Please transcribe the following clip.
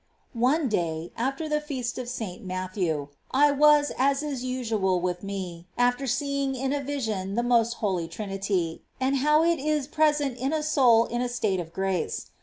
6. One day, after the Feast of S. Matthew,^ I was as is usual with me, after seeing in a vision the most Holy Trinity, and how It is present in a soul in a state of grace.